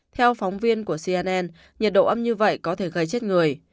theo phóng viên của cnn nhiệt độ âm như vậy có thể gây chết người